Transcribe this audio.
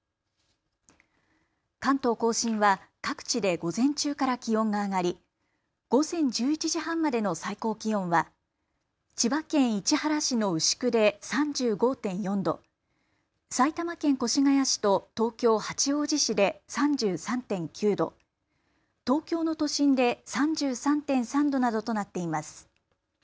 関東甲信は各地で午前中から気温が上がり午前１１時半までの最高気温は千葉県市原市の牛久で３５．４度、埼玉県越谷市と東京八王子市で３３．９度、東京の都心で３３．３度などとなっています。